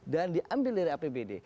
dan diambil dari apbd